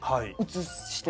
写して。